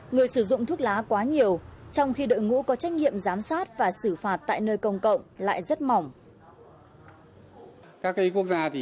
người sử dụng thuốc lá quá nhiều trong khi đội ngũ có trách nhiệm giám sát và xử phạt tại nơi công cộng lại rất mỏng